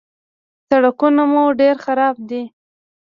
_سړکونه مو ډېر خراب دي.